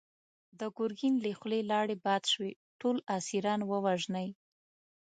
د ګرګين له خولې لاړې باد شوې! ټول اسيران ووژنی!